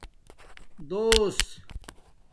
دُوس